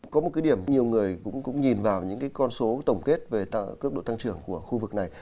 có một điểm nhiều người cũng nhìn vào những con số tổng kết về cơ độ tăng trưởng của khu vực này